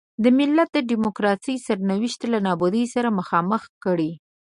د ملت د ډیموکراسۍ سرنوشت له نابودۍ سره مخامخ کړي.